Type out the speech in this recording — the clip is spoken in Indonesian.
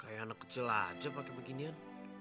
kayak anak kecil aja pakai beginian